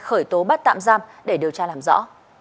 khởi tố bắt tạm giam để điều tra làm rõ